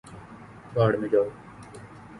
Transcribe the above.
بھاڑ میں جاؤ